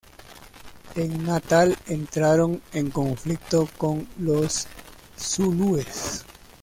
En Natal entraron en conflicto con los zulúes.